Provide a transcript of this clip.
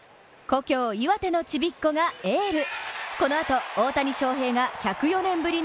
故郷・岩手のちびっ子がエール。